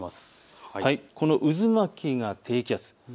この渦巻きが低気圧です。